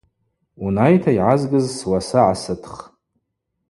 Унайта йгӏазгыз суаса гӏасытх.